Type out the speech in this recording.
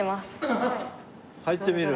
入ってみる？